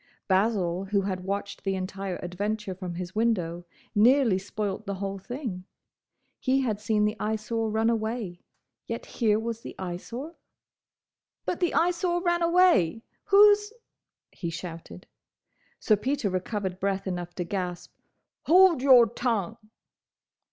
Basil, who had watched the entire adventure from his window, nearly spoilt the whole thing. He had seen the Eyesore run away—yet here was the Eyesore—! "But the Eyesore ran away! Who's—?" he shouted. Sir Peter recovered breath enough to gasp, "Hold your tongue!"